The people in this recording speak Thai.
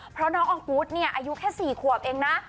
เพราะน้องอองกูธเนี่ยอายุแค่๔ขวบเองนะ